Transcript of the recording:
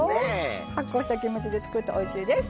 発酵したキムチで作るとおいしいです。